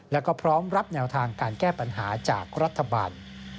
แล้วก็พร้อมรับแนวทางการแก้ปัญหาจากรัฐบาล